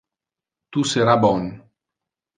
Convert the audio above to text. Tu sera bon.